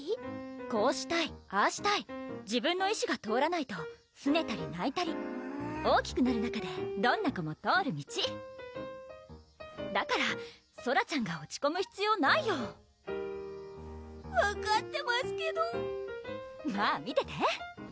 こうしたいああしたい自分の意思が通らないとすねたりないたり大きくなる中でどんな子も通る道だからソラちゃんが落ちこむ必要ないよ分かってますけどまぁ見てて？